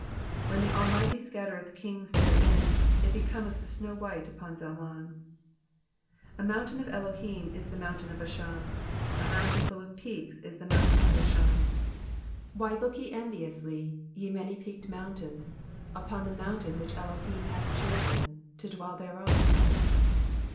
15 When the Almighty scattereth kings therein. It becometh snow white upon Zalmon. 16 A mountain of Elohim is the mountain of Bashan, A mountain full of peaks is the mountain of Bashan. 17 Why look ye enviously, ye many peaked mountains. Upon the mountain which Elohim hath chosen, to dwell thereon